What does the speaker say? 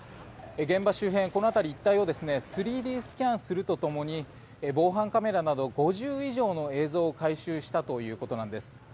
現場周辺、この辺り一帯を３Ｄスキャンするとともに防犯カメラなど５０以上の映像を回収したということなんです。